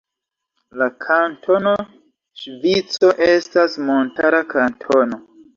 La Kantono Ŝvico estas montara kantono.